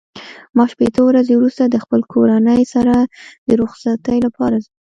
ما شپېته ورځې وروسته د خپل کورنۍ سره د رخصتۍ لپاره ځم.